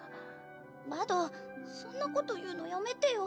バドそんなこと言うのやめてよ。